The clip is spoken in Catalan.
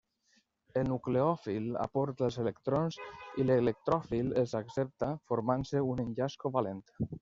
El nucleòfil aporta els electrons i l'electròfil els accepta, formant-se un enllaç covalent.